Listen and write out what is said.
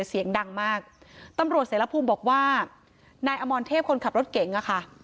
เสียงดังมากตำรวจเสรภูมิบอกว่านายอมรเทพคนขับรถเก๋งอ่ะค่ะ